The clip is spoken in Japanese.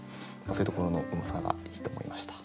そういうところのうまさがいいと思いました。